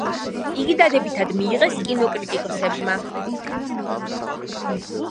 იგი დადებითად მიიღეს კინოკრიტიკოსებმა.